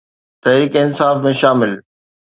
تحريڪ انصاف ۾ شامل